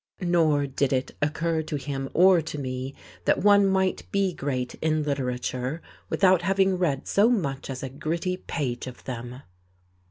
Nor did it occur to him or to me that one might be great in literature without having read so much as a gritty page of them....